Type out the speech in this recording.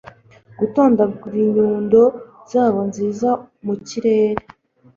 gutondagura inyundo zabo nziza mu kirere